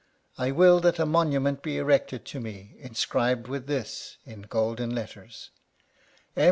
I will that a monument be erected to me, inscribed with this, in golden letters : M.